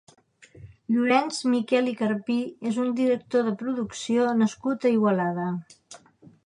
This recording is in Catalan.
Llorenç Miquel i Carpi és un director de producció nascut a Igualada.